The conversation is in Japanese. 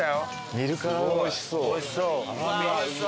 見るからにおいしそう。